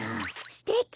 すてき！